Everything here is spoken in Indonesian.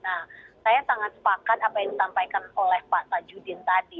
nah saya sangat sepakat apa yang disampaikan oleh pak tajudin tadi